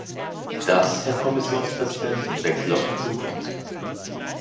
Das, Herr Kommissionspräsident, sind Wechsel auf die Zukunft.